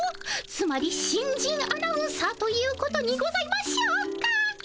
つまり新人アナウンサーということにございましょうか？